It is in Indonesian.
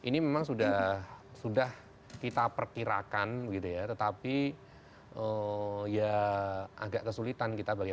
bisa diberikan kita mungkin bisa